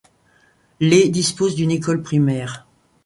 Lée dispose d'une école primaire.